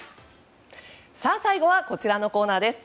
最後はこちらのコーナーです。